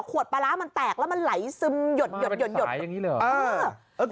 ขวดปลาร้ามันแตกแล้วมันไหลซึมหยดหยดหยดหยดมันเป็นสายอย่างนี้เลยเหรอ